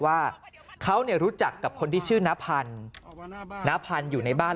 ว่าเขาเนี่ยรู้จักกับคนที่ชื่อณพันธุ์ณพันธุ์อยู่ในบ้าน